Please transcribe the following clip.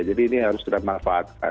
jadi ini harus sudah dimanfaatkan